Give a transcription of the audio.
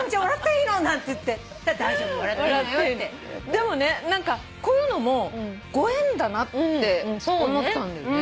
でもねこういうのもご縁だなって思ったんだよね。